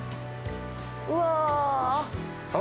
うわ。